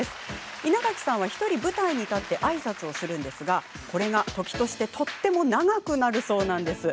稲垣さんは１人舞台に立ってあいさつするんですがこれが時としてとても長くなるそうなんです。